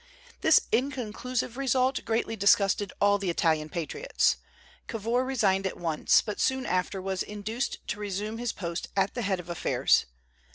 This inconclusive result greatly disgusted all the Italian patriots. Cavour resigned at once, but soon after was induced to resume his post at the head of affairs.